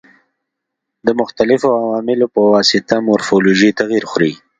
د مختلفو عواملو په واسطه مورفولوژي تغیر خوري.